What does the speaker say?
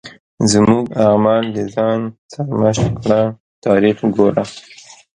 زموږ اعمال د ځان سرمشق کړه تاریخ ګوره.